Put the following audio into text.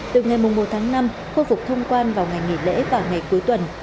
từ ngày một tháng năm khôi phục thông quan vào ngày nghỉ lễ và ngày cuối tuần